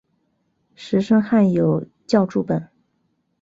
石声汉有校注本。